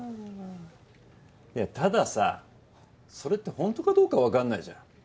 いやたださそれってほんとかどうかわかんないじゃん。